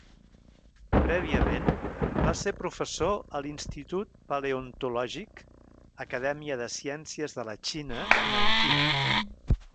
Prèviament va ser professor a l'Institut Paleontològic, Acadèmia de Ciències de la Xina, Nanquín.